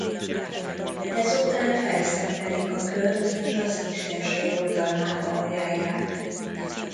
Ezután felszentelik a kört és az istenség oltalmába ajánlják.